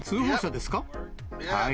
はい。